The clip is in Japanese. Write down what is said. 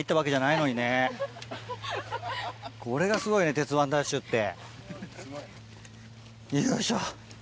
これがすごいね『鉄腕！ＤＡＳＨ‼』って。